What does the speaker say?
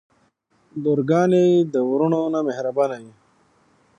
لورګانې د وروڼه نه مهربانې وی.